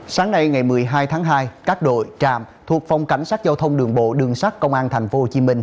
sáng nay ngày một mươi hai tháng hai các đội trạm thuộc phòng cảnh sát giao thông đường bộ đường sát công an tp hcm